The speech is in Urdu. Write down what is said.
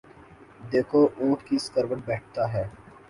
دیکھو اونٹ کس کروٹ بیٹھتا ہے ۔